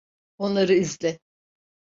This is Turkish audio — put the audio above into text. Onları izle.